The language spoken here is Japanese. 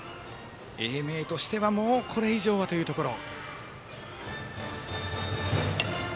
英明としてはもうこれ以上はというところ。